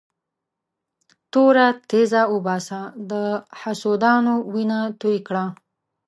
توره تېزه وباسه د حسودانو وینه توی کړه.